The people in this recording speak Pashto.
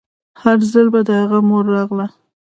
هر ځل به د هغه مور راغله.